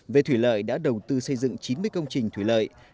về thủy lợi đã đầu tư xây dựng chín mươi công trình thủy lợi